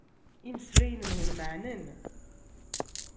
Imeslayen-nwen meɛnen.